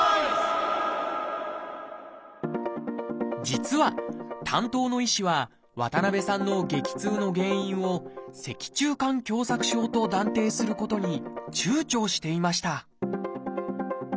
実は担当の医師は渡さんの激痛の原因を「脊柱管狭窄症」と断定することに躊躇していました